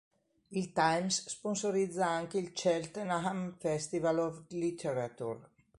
Il "Times" sponsorizza anche il "Cheltenham Festival of Literature".